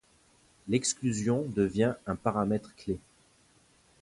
L'exclusion devient un paramètre-clé.